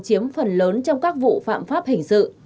chiếm phần lớn trong các vụ phạm pháp hình sự